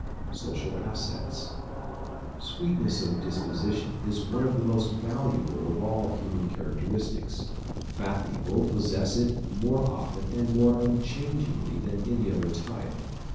Social Assets ¶ Sweetness of disposition is one of the most valuable of all human characteristics. Fat people possess it more often and more unchangingly than any other type.